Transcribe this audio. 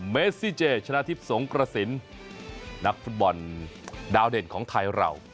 เมซิเจชนะทิพย์สงกระสินนักฟุตบอลดาวเด่นของไทยเรา